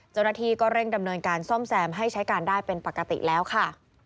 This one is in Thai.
เจ้าหน้าที่ก็เร่งดำเนินการซ่อมแซมให้ใช้การได้เป็นปกติแล้วค่ะ